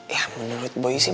ya menurut bu sih